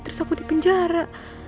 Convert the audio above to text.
terus aku dipenjara